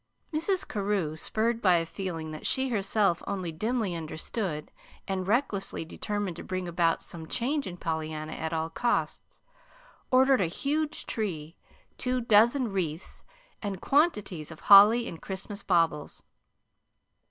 Mrs. Carew, spurred by a feeling that she herself only dimly understood, and recklessly determined to bring about some change in Pollyanna at all costs, ordered a huge tree, two dozen wreaths, and quantities of holly and Christmas baubles.